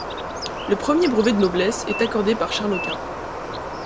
Le premier brevet de noblesse est accordée par Charles Quint.